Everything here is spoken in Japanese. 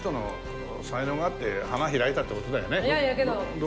いやいやけど。